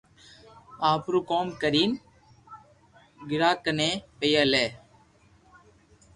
آپرو ڪوم ڪرين گراڪني پيئا ليوا